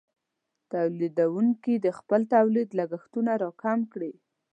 تولیدونکې د خپل تولید لګښتونه راکم کړي.